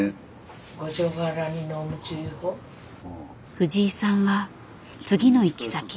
藤井さんは次の行き先